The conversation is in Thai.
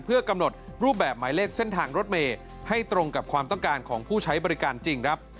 เพื่อกำหนดรูปแบบหมายเลขเส้นทางรถเมย์ให้ตรงกับความต้องการของผู้ใช้บริการจริงครับ